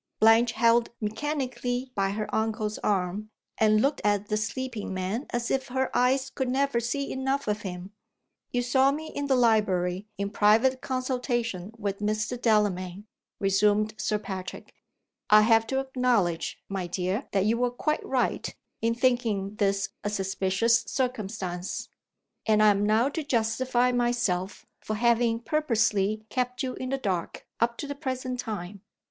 Blanche held mechanically by her uncle's arm, and looked at the sleeping man as if her eyes could never see enough of him. "You saw me in the library in private consultation with Mr. Delamayn," resumed Sir Patrick. "I have to acknowledge, my dear, that you were quite right in thinking this a suspicious circumstance, And I am now to justify myself for having purposely kept you in the dark up to the present time."